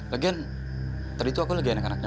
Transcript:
lagian tadi tuh aku lagi enak enaknya makan gis